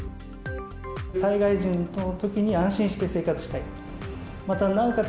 災害時のときに安心して生活したい、また、なおかつ